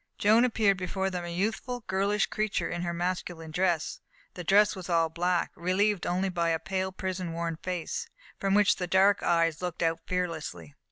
Joan appeared before them a youthful, girlish creature in her masculine dress. The dress was all black, relieved only by the pale prison worn face, from which the dark eyes looked out fearlessly.